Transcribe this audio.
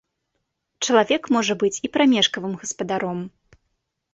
Чалавек можа быць і прамежкавым гаспадаром.